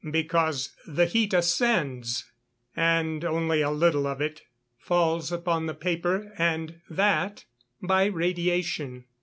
_ Because the heat ascends; and only a little of it falls upon the paper, and that by radiation.